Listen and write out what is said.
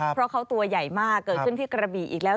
เพราะเขาตัวใหญ่มากเกิดขึ้นที่กระบี่อีกแล้ว